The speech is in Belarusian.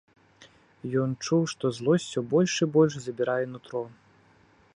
Ён чуў, што злосць усё больш і больш забірае нутро.